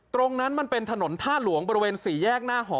ตรงนั้นมันเป็นถนนท่าหลวงบริเวณ๔แยกหน้าหอ